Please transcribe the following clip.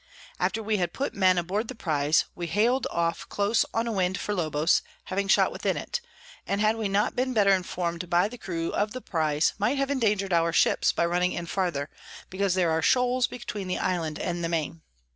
After we had put Men aboard the Prize, we hal'd off close on a Wind for Lobos, having shot within it; and had we not been better inform'd by the Crew of the Prize, might have endanger'd our Ships, by running in farther, because there are Shoals between the Island and the Main.